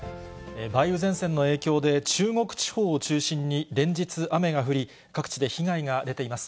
梅雨前線の影響で、中国地方を中心に連日雨が降り、各地で被害が出ています。